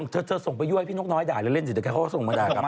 เธอส่งไปย่วยพี่นกน้อยได้หรือเล่นสิเดี๋ยวแกเขาส่งมาได้ครับ